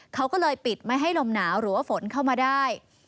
เขาก็เลยปิดไม่ให้ลมหนาวหรือว่าฝนเข้ามาได้